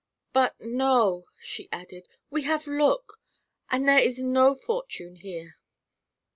"But, no," she added. "We have look, and there is no fortune here."